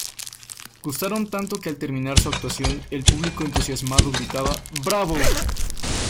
Gustaron tanto que al terminar su actuación el público entusiasmado gritaba "¡Bravo!